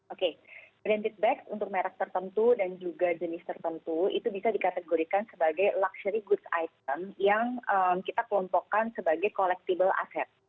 oke branded back untuk merek tertentu dan juga jenis tertentu itu bisa dikategorikan sebagai luxury goods item yang kita kelompokkan sebagai collectible asset